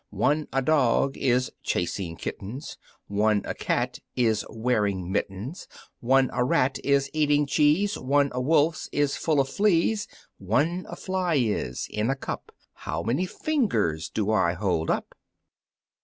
One a dog is, chasing kittens; One a cat is, wearing mittens; One a rat is, eating cheese; One a wolf is, full of fleas; One a fly is, in a cup How many fingers do I hold up?"